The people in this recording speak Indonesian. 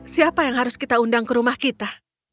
siapa yang harus kita undang ke rumah kita